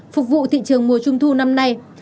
phục vụ thị trường mùa trung thu năm nay